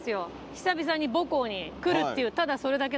久々に母校に来るっていうただそれだけの話なんですけど。